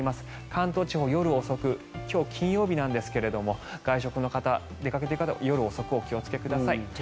関東地方、夜遅く今日金曜日なんですが外出の方、出かけている方は夜、お気をつけください。